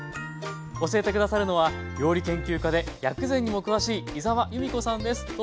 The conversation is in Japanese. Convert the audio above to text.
教えて下さるのは料理研究家で薬膳にも詳しい井澤由美子さんです。